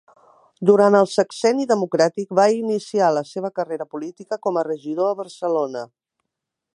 Durant el Sexenni Democràtic va iniciar la seva carrera política com a regidor a Barcelona.